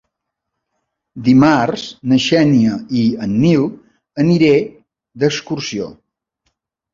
Dimarts na Xènia i en Nil aniré d'excursió.